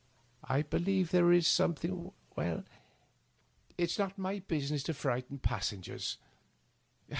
" I believe there is something — ^well, it is not my business to frighten passengers."